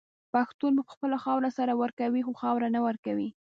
پښتون په خپله خاوره سر ورکوي خو خاوره نه ورکوي.